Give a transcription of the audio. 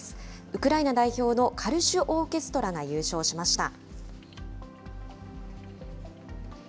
ウクライナ代表のカルシュ・オーケストラが優勝しました。